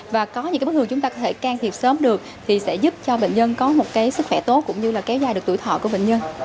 và có những bức hướng chúng ta có thể can thiệp sớm được thì sẽ giúp cho bệnh nhân có một sức khỏe tốt cũng như là kéo dài được tuổi thọ của bệnh nhân